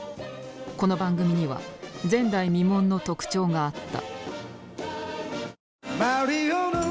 この番組には前代未聞の特徴があった。